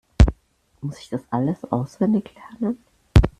Muss ich das alles auswendig lernen?